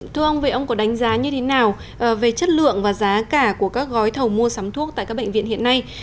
thưa ông về ông có đánh giá như thế nào về chất lượng và giá cả của các gói thầu mua sắm thuốc tại các bệnh viện hiện nay